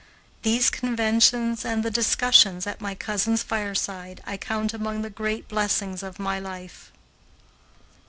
These conventions and the discussions at my cousin's fireside I count among the great blessings of my life.